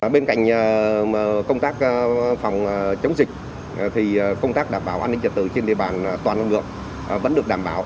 bên cạnh công tác phòng chống dịch thì công tác đảm bảo an ninh trật tự trên địa bàn toàn lực lượng vẫn được đảm bảo